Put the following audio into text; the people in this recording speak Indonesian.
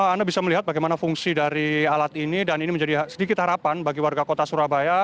anda bisa melihat bagaimana fungsi dari alat ini dan ini menjadi sedikit harapan bagi warga kota surabaya